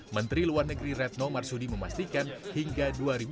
menteri luar negeri retno marsudi memastikan hingga dua ribu dua puluh